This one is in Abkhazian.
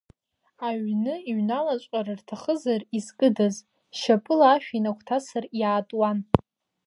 Аҩны иҩналаҵәҟьар рҭахызар, изкыдаз, шьапыла ашә инагәҭасыр, иаатуан.